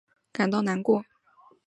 那我真为你感到难过。